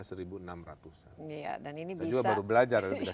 saya juga baru belajar